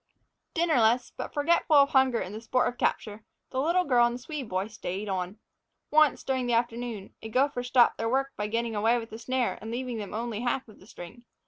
Dinnerless, but forgetful of hunger in the sport of capture, the little girl and the Swede boy stayed on. Once, during the afternoon, a gopher stopped their work by getting away with the snare and leaving them only half of the string.